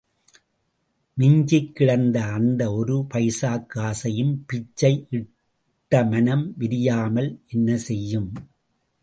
மிஞ்சிக் கிடந்த அந்த ஒரு பைசாக் காசையும் பிச்சை இட்ட மனம் விரியாமல் என்ன செய்யும்!...